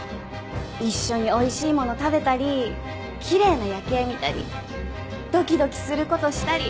一緒においしいもの食べたりきれいな夜景見たりドキドキする事したり。